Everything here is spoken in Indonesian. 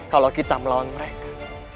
kalau kita melawan mereka